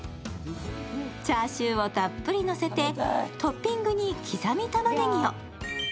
チャーシューをたっぷりのせてトッピングに刻みたまねぎを。